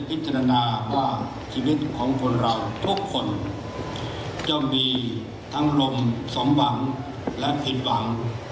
ถือว่าชีวิตที่ผ่านมายังมีความเสียหายแก่ตนและผู้อื่น